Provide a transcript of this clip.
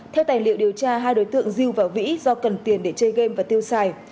theo tài liệu điều tra hai đối tượng dư và vĩ do cần tiền để chơi game và tiêu xài